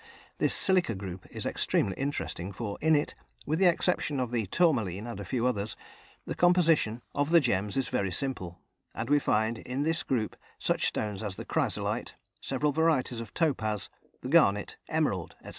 This silica group is extremely interesting, for in it, with the exception of the tourmaline and a few others, the composition of the gems is very simple, and we find in this group such stones as the chrysolite, several varieties of topaz, the garnet, emerald, etc.